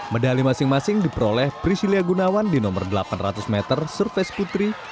medali masing masing diperoleh pricilia gunawan di nomor delapan ratus meter surface putri